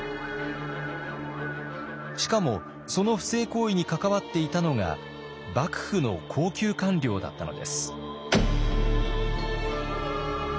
しかもその不正行為に関わっていたのが幕府の高級官僚だったのです。